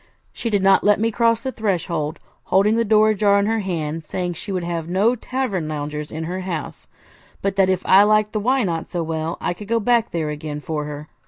She did not let me cross the threshold, holding the door ajar in her hand, and saying she would have no tavern loungers in her house, but that if I liked the Why Not? so well, I could go back there again for her.